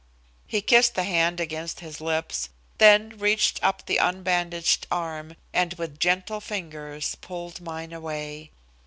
He kissed the hand against his lips, then reached up the unbandaged arm, and with gentle fingers pulled mine away.